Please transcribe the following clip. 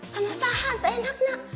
sama sahan tak enak nak